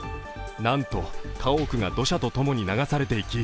なんと、家屋が土砂とともに流されていき